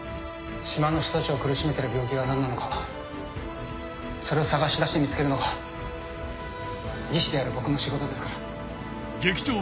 「島の人たちを苦しめてる病気が何なのかそれを探しだして見つけるのが技師である僕の仕事ですから」